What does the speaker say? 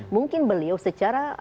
mungkin beliau secara